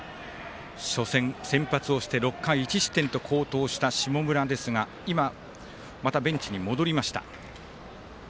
初戦、先発をして６回１失点と好投した下村ですがまたベンチに戻りました。